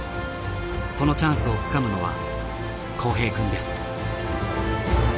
そのチャンスをつかむのは幸平くんです。